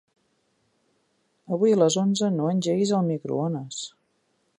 Avui a les onze no engeguis el microones.